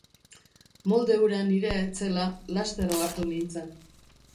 Molde hura nirea ez zela, laster ohartu nintzen.